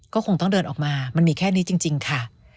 ก็คงต้องเดินออกมามันมีแค่นี้จริงค่ะ